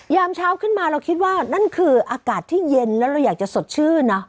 ยามเช้าขึ้นมาเราคิดว่านั่นคืออากาศที่เย็นแล้วเราอยากจะสดชื่นนะ